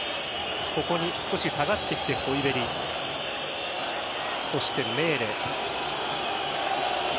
ここに少し下がってきてホイビェリそして、メーレ。